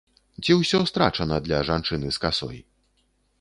Ці ўсё страчана для жанчыны з касой?